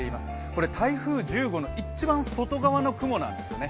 これ、台風１０号の一番外側の雲なんですよね。